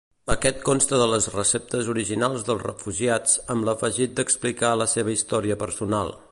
Aquest consta de les receptes originals dels refugiats, amb l'afegit d'explicar la seva història personal.